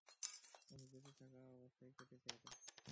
উনি বেঁচে থাকা অবস্থাতেই কেটেছে এটা।